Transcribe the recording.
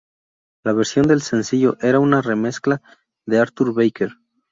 La versión del sencillo era una remezcla de Arthur Baker.